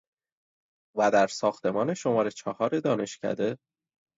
و در ساختمان شماره چهار دانشکده،